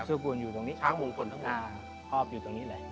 ภาพสกุลอยู่ตรงนี้ช้างมงฝนม้าครบอยู่ตรงนี้เลย